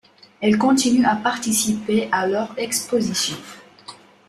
Il continue à participer à leurs expositions.